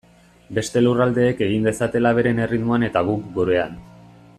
Beste lurraldeek egin dezatela beren erritmoan eta guk gurean.